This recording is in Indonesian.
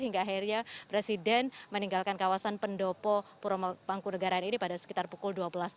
hingga akhirnya presiden meninggalkan kawasan pendopo puro mangku negara ini pada sekitar pukul dua belas tiga puluh